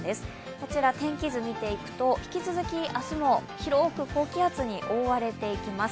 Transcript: こちら、天気図を見ていくと引き続き明日も広く高気圧に覆われていきます。